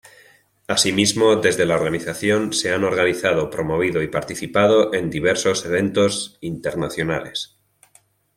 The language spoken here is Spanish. Asimismo, desde la organización se han organizado, promovido y participado en diversos eventos internacionales.